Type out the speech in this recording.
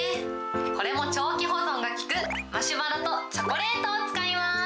これも長期保存が利くマシュマロとチョコレートを使います。